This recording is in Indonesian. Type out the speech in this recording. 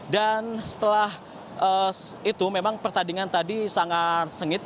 dan setelah itu memang pertandingan tadi sangat sengit